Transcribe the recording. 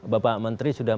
bapak menteri sudah